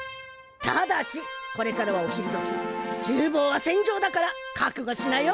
ただしこれからはお昼どきちゅうぼうは戦場だからかくごしなよ。